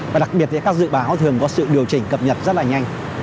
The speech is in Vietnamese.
và đặc biệt các dự báo thường có sự điều chỉnh cập nhật rất là nhanh